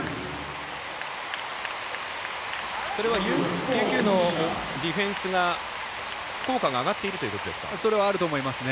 それは琉球のディフェンスが効果が上がっているということですか？